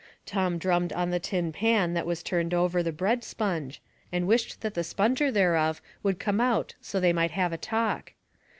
Tom drummed on the tin pan that was turned over the bread sponge, and wished that the sponger thereof would come out so they might have a talk.